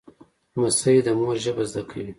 لمسی د مور ژبه زده کوي.